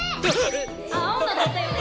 ・青野だったよね！